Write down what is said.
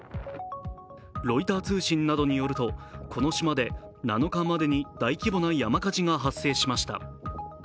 ロイター通信などによるとこの島で７日までに大規模な山火事が発生しました。